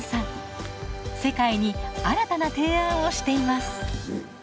世界に新たな提案をしています。